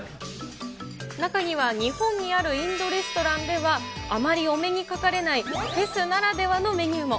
中には、日本にあるインドレストランではあまりお目にかかれない、フェスならではのメニューも。